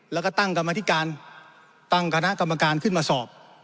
แล้วก็ตั้งกรรมธิการตั้งคณะกรรมการขึ้นมาสอบ